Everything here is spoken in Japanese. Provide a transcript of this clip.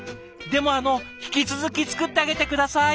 でもあの引き続き作ってあげて下さい！